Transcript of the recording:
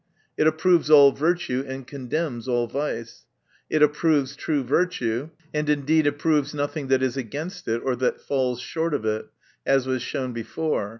It approves all virtue, and condemns all vice. It approves true virtue, and indeed approves nothing that is against it, or that falls short of it ; as was shown before.